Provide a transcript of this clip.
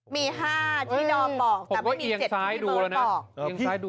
มี๕ที่นอบปอกแต่ไม่มี๗ที่เบิร์ดปอก